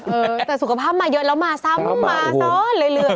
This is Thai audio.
เออแต่สุขภาพมาเยอะแล้วมาซ้ำมาซ้อนเรื่อย